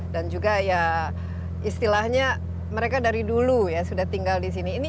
dan juga ya istilahnya mereka dari dulu ya sudah tinggal di sini